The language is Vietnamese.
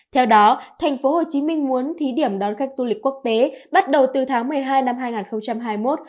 theo đó thành phố hồ chí minh muốn thí điểm đón khách du lịch quốc tế bắt đầu từ tháng một mươi hai năm hai nghìn hai mươi một